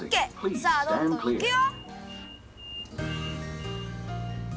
さあどんどんいくよ！